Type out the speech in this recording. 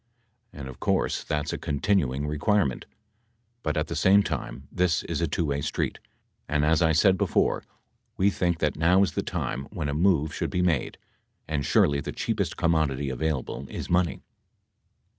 .. and of course that's a continuing require ment, but at the same time, this is a two way street and as I said before, we think that now is the time when a move should be made and surely the cheapest commodity available is money.